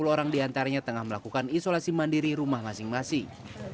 tujuh ratus lima puluh orang diantaranya tengah melakukan isolasi mandiri rumah masing masing